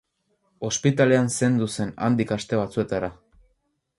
Ospitalean zendu zen handik aste batzuetara.